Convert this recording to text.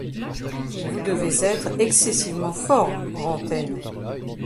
Vous devez être excessivement fort, Rantaine.